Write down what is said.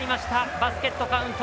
バスケットカウント。